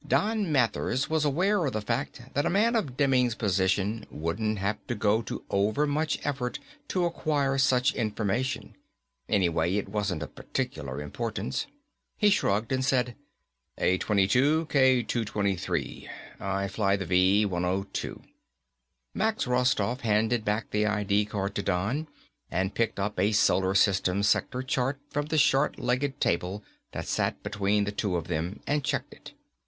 Don Mathers was aware of the fact that a man of Demming's position wouldn't have to go to overmuch effort to acquire such information, anyway. It wasn't of particular importance. He shrugged and said, "A22 K223. I fly the V 102." Max Rostoff handed back the I.D. card to Don and picked up a Solar System sector chart from the short legged table that sat between the two of them and checked it.